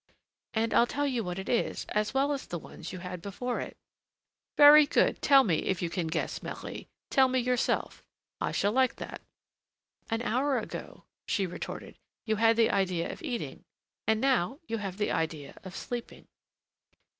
"And I'll tell you what it is, as well as the ones you had before it." "Very good! tell me, if you can guess, Marie; tell me yourself, I shall like that." "An hour ago," she retorted, "you had the idea of eating, and now you have the idea of sleeping."